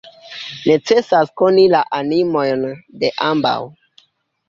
Necesas koni la animojn de ambaŭ.